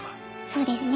そうですね